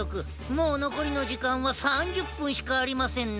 もうのこりのじかんは３０ぷんしかありませんな。